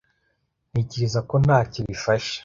Ntekereza ko ntacyo bifasha.